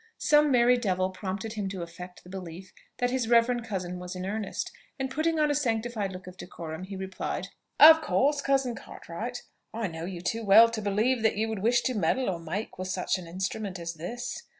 Some merry devil prompted him to affect the belief that his reverend cousin was in earnest, and, putting on a sanctified look of decorum, he replied, "Of course, cousin Cartwright, I know you too well to believe that you would wish to meddle or make with such an instrument as this.